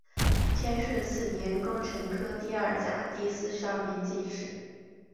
天顺四年庚辰科第二甲第四十二名进士。